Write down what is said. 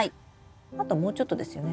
あともうちょっとですよね。